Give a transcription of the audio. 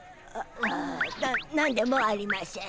な何でもありましぇん。